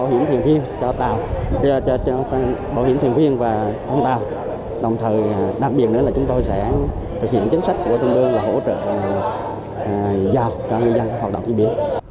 cùng với việc trao tặng cờ tổ quốc nhiều chính sách hỗ trợ ngư dân sẽ tiếp tục được triển khai